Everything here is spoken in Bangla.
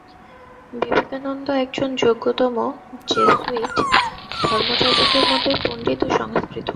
বিবেকানন্দ একজন যোগ্যতম জেসুইট ধর্মযাজকের মতই পণ্ডিত ও সংস্কৃতিমান্।